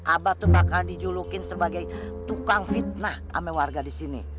abah tuh bakal dijulukin sebagai tukang fitnah sama warga disini